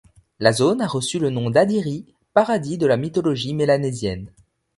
La zone a reçu le nom d'Adiri, paradis de la mythologie mélanésienne.